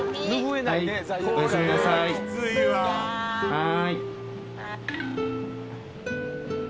はい。